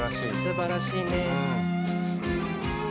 すばらしいね。